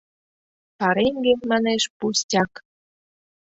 Пареҥге, манеш, пустяк.